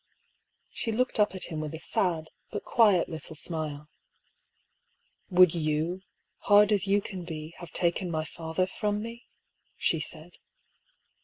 She looked up at him with a sad, but quiet little smile. "Would youy hard as you can be, have taken my father from me? " she said.